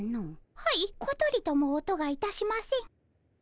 はいことりとも音がいたしません。